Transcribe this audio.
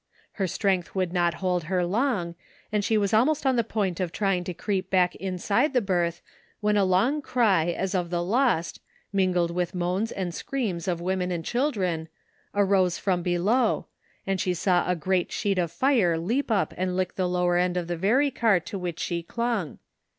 Her strength would not hold her long, and she was almost on the point of trying to creep back inside the berth when a long cry as of the lost, mingled with moans and screams of women and children, arose from below, and she saw a great sheet of fire leap up and lick the lower end of the very car to which she clung.